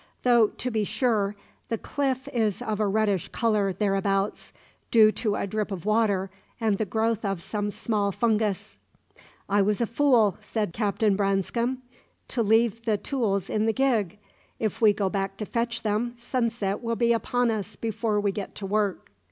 "Though, to be sure, the cliff is of a reddish colour thereabouts, due to a drip of water and the growth of some small fungus." "I was a fool," said Captain Branscome, "to leave the tools in the gig. If we go back to fetch them, sunset will be upon us before we get to work."